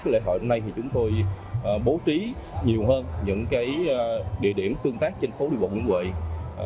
lễ hội hôm nay chúng tôi bố trí nhiều hơn những địa điểm tương tác trên phố điều bộng vĩnh quỳnh